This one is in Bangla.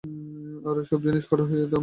আজ সব জিনিস কড়া হয়ে আমাকে বাজছে।